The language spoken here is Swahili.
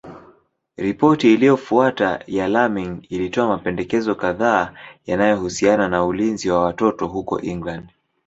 Ripoti iliyofuata ya Laming ilitoa mapendekezo kadhaa yanayohusiana na ulinzi wa watoto huko England.